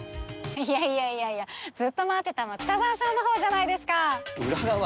いやいやいやいやずっと待ってたの北澤さんのほうじゃないですか！